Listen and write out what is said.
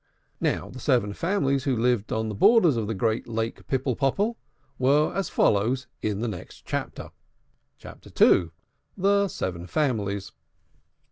Now, the seven families who lived on the borders of the great Lake Pipple Popple were as follows in the next chapter. CHAPTER II. THE SEVEN FAMILIES.